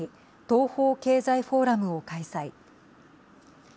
東方経済フォーラムを開催。